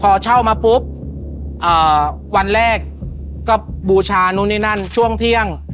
พอเช่ามาปุ๊บวันแรกก็บูชานู่นนี่นั่นช่วงเที่ยง